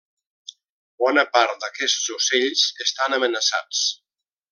Bona part d'aquests ocells estan amenaçats.